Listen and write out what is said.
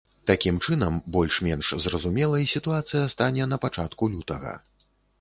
Такім чынам, больш-менш зразумелай сітуацыя стане на пачатку лютага.